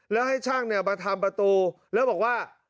แล้วให้ช่างมาทำประตูแล้วบอกว่า